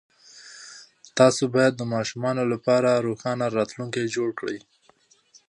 تاسې باید د ماشومانو لپاره روښانه راتلونکی جوړ کړئ.